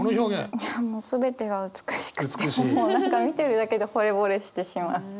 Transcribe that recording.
いやもう全てが美しくってもう何か見てるだけでほれぼれしてしまう。